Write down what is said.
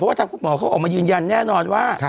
ว่าทางคุณหมอเขาออกมายืนยันแน่นอนว่า